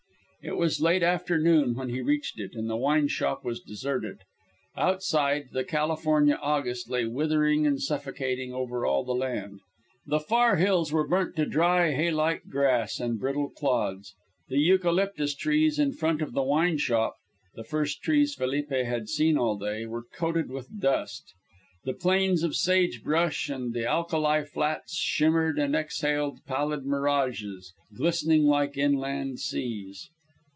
It was late afternoon when he reached it, and the wine shop was deserted. Outside, the California August lay withering and suffocating over all the land. The far hills were burnt to dry, hay like grass and brittle clods. The eucalyptus trees in front of the wine shop (the first trees Felipe had seen all that day) were coated with dust. The plains of sagebrush and the alkali flats shimmered and exhaled pallid mirages, glistening like inland seas.